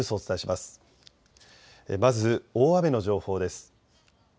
まず大雨の情報です。